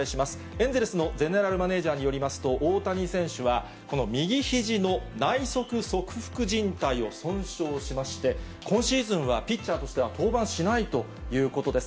エンゼルスのゼネラルマネージャーによりますと、大谷選手は、この右ひじの内側側副じん帯を損傷しまして、今シーズンはピッチャーとしては登板しないということです。